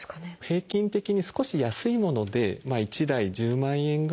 平均的に少し安いもので１台１０万円ぐらいします。